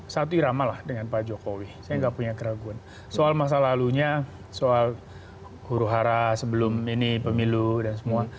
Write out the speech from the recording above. satu irama lah dengan pak jokowi saya nggak punya keraguan soal masa lalunya soal huru hara sebelum ini pemilu dan semua